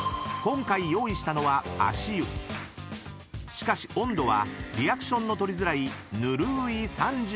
［しかし温度はリアクションの取りづらい］